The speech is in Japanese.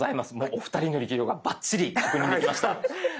お二人の力量がバッチリ確認できました。